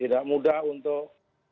tidak mudah untuk